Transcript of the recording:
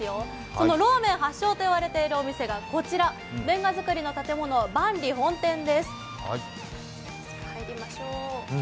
そのローメン発祥といわれているのがこちらレンガ造りの建物、萬里本店です。